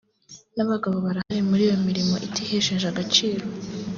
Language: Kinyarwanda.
n’abagabo barahari muri iyo mirimo itihesheje agaciro